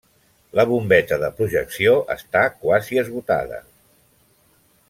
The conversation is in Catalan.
La bombeta de projecció està quasi esgotada.